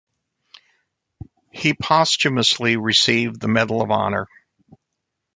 He posthumously received the Medal of Honor.